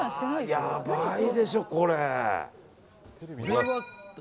やばいでしょ、これ。